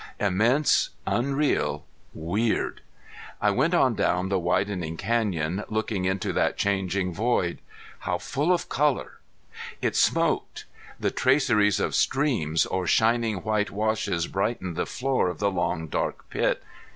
Immense, unreal, weird! I went on down the widening canyon, looking into that changing void. How full of color! It smoked. The traceries of streams or shining white washes brightened the floor of the long dark pit.